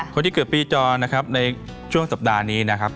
คนที่เกิดปีจรนะครับในช่วงสัปดาห์นี้นะครับ